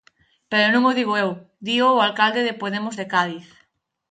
Pero non o digo eu, dio o alcalde de Podemos de Cádiz.